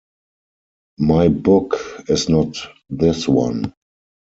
My book is not this one.